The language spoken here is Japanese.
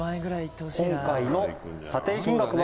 「今回の査定金額は」